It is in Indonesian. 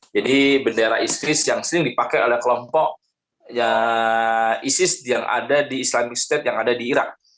jadi bendera isis yang sering dipakai oleh kelompok isis yang ada di islamic state yang ada di irak